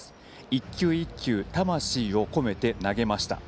１球１球、魂を込めて投げました。